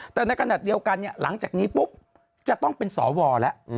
แต่ในขณะเดียวกันหลังจากนี้ปุ๊บจะต้องเป็นสวแล้ว